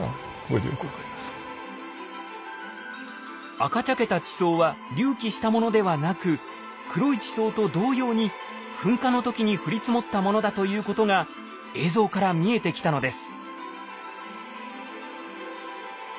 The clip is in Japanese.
赤茶けた地層は隆起したものではなく黒い地層と同様に噴火の時に降り積もったものだということが映像から見えてきたのです。